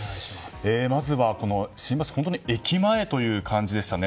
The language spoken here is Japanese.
まずは新橋、本当に駅前という感じでしたね